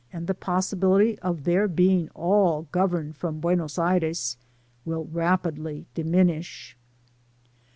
999 the pottdbility of their being all governed from Buenos Airei will rapidly diminiib.